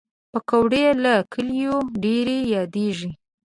پکورې له کلیو ډېر یادېږي